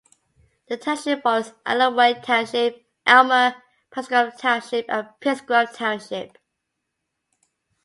The township borders Alloway Township, Elmer, Pilesgrove Township and Pittsgrove Township.